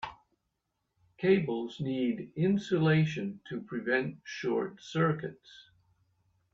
Cables need insulation to prevent short circuits.